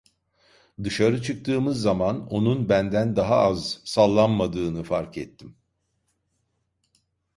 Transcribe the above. Dışarı çıktığımız zaman onun benden daha az sallanmadığını fark ettim.